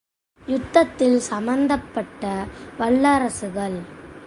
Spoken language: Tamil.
யுத்தத்தில் சம்பந்தப்பட்ட வல்லரசுகள்.